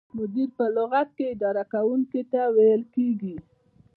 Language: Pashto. مدیر په لغت کې اداره کوونکي ته ویل کیږي.